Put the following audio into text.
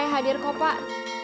saya hadir kok pak